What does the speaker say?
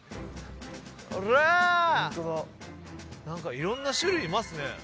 いろんな種類いますね。